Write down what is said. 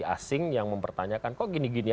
asing yang mempertanyakan kok gini gini